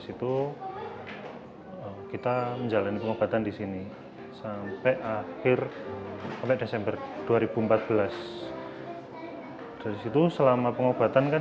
situ kita menjalani pengobatan di sini sampai akhir sampai desember dua ribu empat belas dari situ selama pengobatan kan